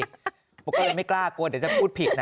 ผมก็เลยไม่กล้ากลัวเดี๋ยวจะพูดผิดนะ